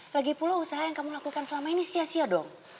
lagi pula usaha yang kamu lakukan selama ini sia sia dong